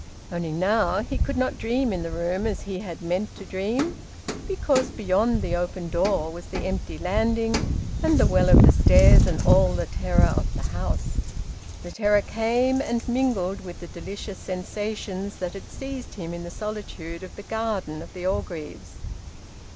Only, now, he could not dream in the room as he had meant to dream; because beyond the open door was the empty landing and the well of the stairs and all the terror of the house. The terror came and mingled with the delicious sensations that had seized him in the solitude of the garden of the Orgreaves.